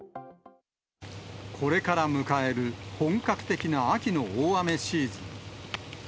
これから迎える本格的な秋の大雨シーズン。